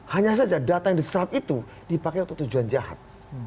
hanya saja data yang diserap itu dipakai untuk tujuan jahat